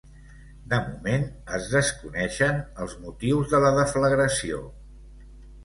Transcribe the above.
De moment es desconeixen els motius de la deflagració.